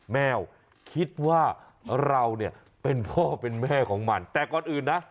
แมวคิดว่าเราเนี่ยเป็นพ่อเป็นแม่ของมันแต่ก่อนอื่นนะ